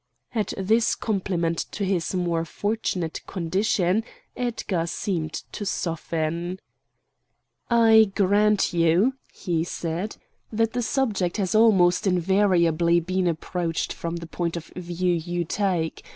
At this compliment to his more fortunate condition, Edgar seemed to soften. "I grant you," he said, "that the subject has almost invariably been approached from the point of view you take.